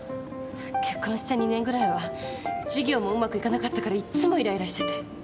結婚して２年ぐらいは事業もうまくいかなかったからいつもイライラしてて。